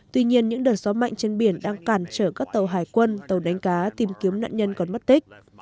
tuy nhiên những đợt gió mạnh trên biển đang cản trở các tàu hải quân tàu đánh cá tìm kiếm nạn nhân còn mất tích